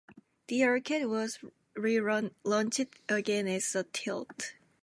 The arcade was relaunched again as a Tilt.